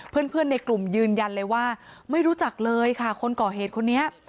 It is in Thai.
เพื่อนในกลุ่มยืนยันเลยว่าไม่รู้จักเลยค่ะคนก่อเหตุคนนี้